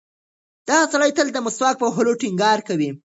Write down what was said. دا سړی تل د مسواک په وهلو ټینګار کوي.